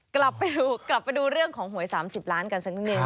กลับไปดูเรื่องของหวย๓๐ล้านกันสักนิดนึง